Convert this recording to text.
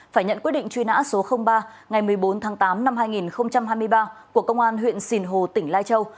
phải nhận quyết định truy nã số ba ngày một mươi bốn tháng tám năm hai nghìn hai mươi ba của công an huyện sìn hồ tỉnh lai châu